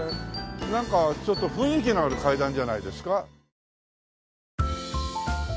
なんかちょっと雰囲気のある階段じゃないですか。